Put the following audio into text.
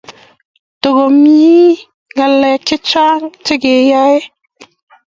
Tokomie ngalek chechang' che keyae